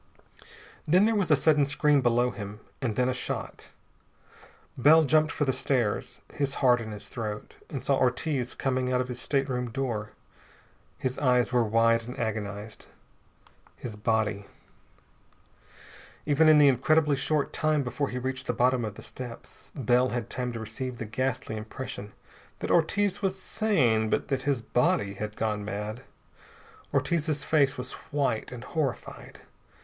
Then there was a sudden scream below him, and then a shot. Bell jumped for the stairs, his heart in his throat, and saw Ortiz coming out of his stateroom door. His eyes were wide and agonized. His body.... Even in the incredibly short time before he reached the bottom of the steps, Bell had time to receive the ghastly impression that Ortiz was sane, but that his body had gone mad. Ortiz's face was white and horrified.